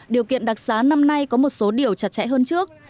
điều kiện đặc xá năm nay có một số điều chặt chẽ hơn trước